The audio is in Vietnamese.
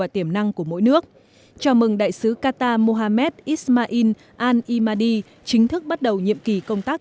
tiếp đại sứ cộng hòa pháp